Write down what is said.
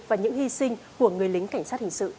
và những hy sinh của người lính cảnh sát hình sự